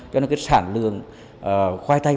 cho nên cái sản lượng khoai tây